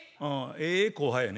ええ後輩やね。